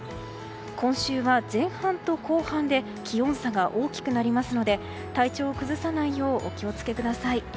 今週は前半と後半で気温差が大きくなりますので体調を崩さないようお気を付けください。